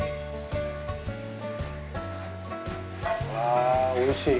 うわぁ、おいしい！